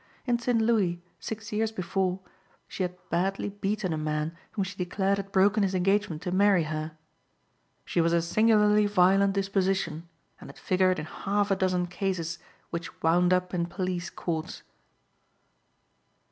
In St. Louis six years before she had badly beaten a man whom she declared had broken his engagement to marry her. She was a singularly violent disposition and had figured in half a dozen cases which wound up in police courts.